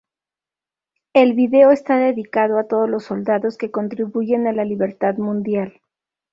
El video está dedicado a todos los soldados que contribuyen a la libertad mundial.